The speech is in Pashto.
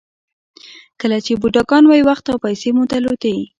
کله چې بوډاګان وئ وخت او پیسې مو درلودې.